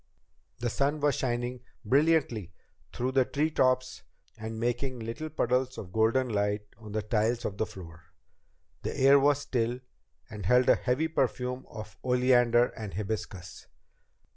The sun was shining brilliantly through the tree tops and making little puddles of golden light on the tiles of the floor. The air was still, and held a heavy perfume of oleander and hibiscus.